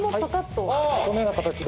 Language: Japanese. このような形で。